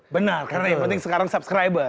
benar karena yang penting sekarang subscriber